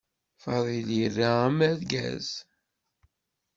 Fadil ira amergaz.